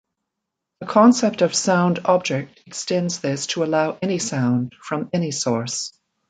The concept of sound object extends this to allow any sound, from any source.